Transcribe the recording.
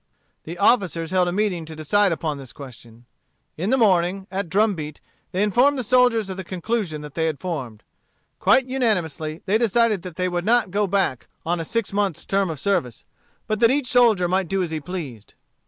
The officers held a meeting to decide upon this question. In the morning, at drum beat, they informed the soldiers of the conclusion they had formed. Quite unanimously they decided that they would not go back on a six months term of service, but that each soldier might do as he pleased.